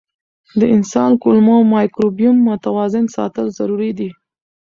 د انسان کولمو مایکروبیوم متوازن ساتل ضروري دي.